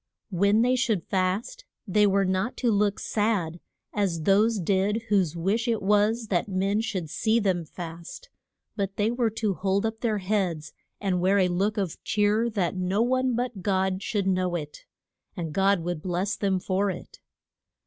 _" When they should fast they were not to look sad as those did whose wish it was that men should see them fast, but they were to hold up their heads and wear a look of cheer that no one but God should know it. And God would bless them for it.